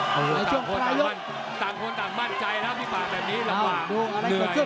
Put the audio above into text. หลังในช่วงปลายกรุ่นเป็นยังไงอะไรเกิดขึ้น๑๐นินาที